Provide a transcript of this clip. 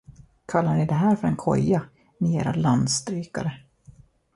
Kallar ni det här för en koja, ni era landstrykare?